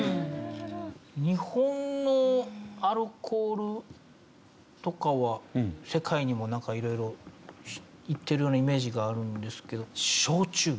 日本のアルコールとかは世界にもなんか色々いってるようなイメージがあるんですけど。